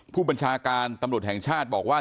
ผู้บัญชาการตำรวจแห่งชาติบอกว่า